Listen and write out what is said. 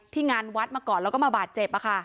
งานวัดมาก่อนแล้วก็มาบาดเจ็บ